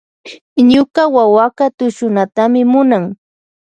Ñuka wawaka tushunatami munan.